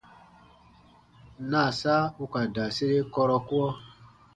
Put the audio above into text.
Naasa u ka da sere kɔrɔkuɔ.